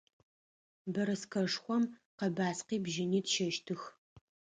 Бэрэскэшхом къэбаскъи бжьыни тщэщтых.